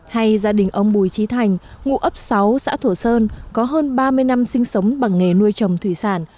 hay gia đình ông bùi trí thành ngụ ấp sáu xã thổ sơn có hơn ba mươi năm sinh sống bằng nghề nuôi trồng thủy sản